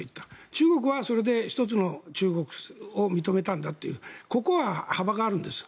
中国はそれで一つの中国を認めたんだというここは幅があるんです。